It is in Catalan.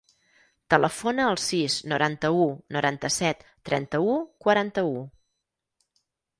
Telefona al sis, noranta-u, noranta-set, trenta-u, quaranta-u.